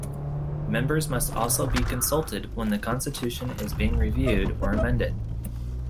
Members must also be consulted when the constitution is being reviewed or amended.